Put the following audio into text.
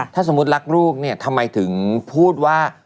ถ้าสมมุติรักลูกเนี่ยทำไมถึงพูดว่า